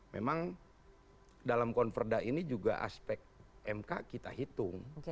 memang dalam konverda ini juga aspek mk kita hitung